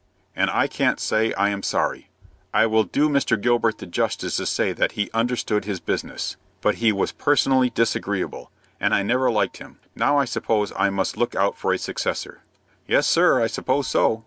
"And I can't say I am sorry. I will do Mr. Gilbert the justice to say that he understood his business; but he was personally disagreeable, and I never liked him. Now I suppose I must look out for a successor." "Yes, sir, I suppose so."